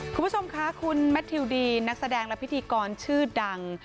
คุณผู้ชมค่ะคุณแมททิวดีนนักแสดงและพิธีกรชื่อดัง